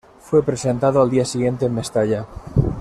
Fue presentado al día siguiente en Mestalla.